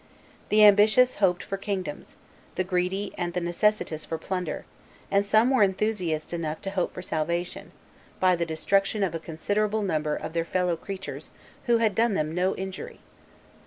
The ambitious hoped for kingdoms; the greedy and the necessitous for plunder; and some were enthusiasts enough to hope for salvation, by the destruction of a considerable number of their fellow creatures, who had done them no injury.